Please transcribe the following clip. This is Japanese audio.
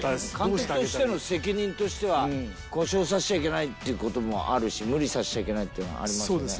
監督としての責任としては故障させちゃいけないっていう事もあるし無理させちゃいけないっていうのがありますよね。